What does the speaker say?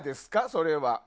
それは。